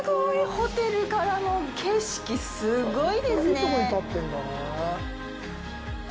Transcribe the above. ホテルからの景色、すっごいですね！